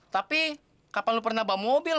tapi kapan lo pernah bawa mobil